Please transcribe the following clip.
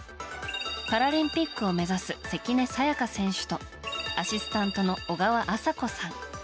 パラリンピックを目指す関根彩香選手とアシスタントの小川麻子さん。